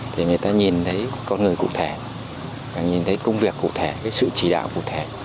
thì người ta nhìn thấy con người cụ thể nhìn thấy công việc cụ thể sự chỉ đạo cụ thể